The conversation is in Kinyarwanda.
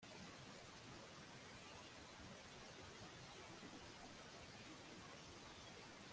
Urubura rwaguye mu mpeshyi kwisi rwumye kandi rushyushye